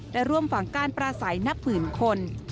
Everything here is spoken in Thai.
และร่วมฝั่งการประสัยนับผื่นคน